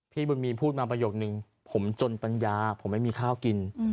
พี่บุญมีพูดมาประโยคนึงผมจนปัญญาผมไม่มีข้าวกิน